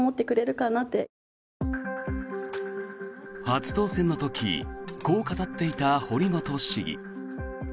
初当選の時、こう語っていた堀本市議。